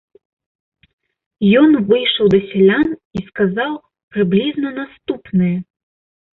Ён выйшаў да сялян і сказаў прыблізна наступнае.